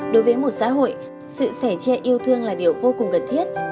đối với một xã hội sự sẻ chia yêu thương là điều vô cùng cần thiết